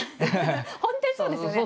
本当にそうですよね。